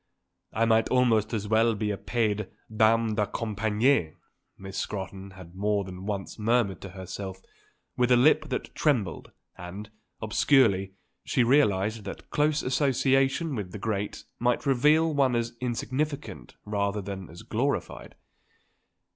"I might almost as well be a paid dame de compagnie," Miss Scrotton had more than once murmured to herself with a lip that trembled; and, obscurely, she realised that close association with the great might reveal one as insignificant rather than as glorified.